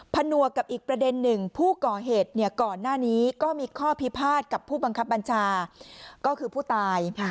นวกกับอีกประเด็นหนึ่งผู้ก่อเหตุก่อนหน้านี้ก็มีข้อพิพาทกับผู้บังคับบัญชาก็คือผู้ตาย